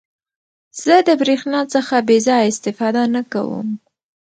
زه د برېښنا څخه بې ځایه استفاده نه کوم.